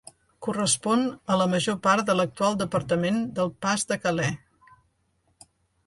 Correspon a la major part de l'actual departament del Pas de Calais.